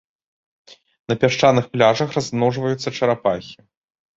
На пясчаных пляжах размножваюцца чарапахі.